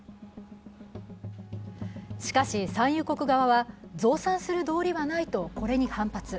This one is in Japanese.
しかし、産油国側は増産する道理はないとこれに反発。